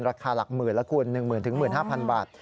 ราคาหลักหมื่นละคุณ๑๐๐๑๕๐๐บาท